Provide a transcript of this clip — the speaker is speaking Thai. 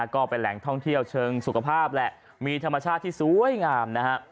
ก็เป็นแหล่งท่องเที่ยวเชิงสุขภาพแหละมีธรรมชาติที่สวยงามนะฮะ